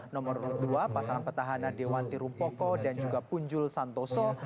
nomor dua pasangan petahana dewanti rumpoko dan juga punjul santoso